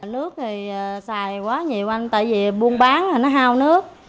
nước thì xài quá nhiều ăn tại vì buôn bán thì nó hao nước